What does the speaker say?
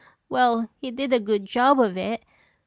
"Well, he did a good job of it!